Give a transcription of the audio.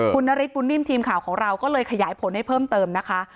คุณนฤทธบุญนิ่มทีมข่าวของเราก็เลยขยายผลให้เพิ่มเติมนะคะ